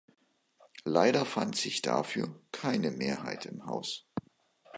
Leider fand sich dafür keine Mehrheit im Haus.